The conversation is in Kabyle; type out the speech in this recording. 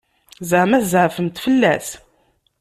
Ẓeɛma tzeɛfemt fell-as?